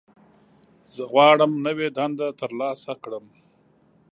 زه غواړم نوې دنده ترلاسه کړم.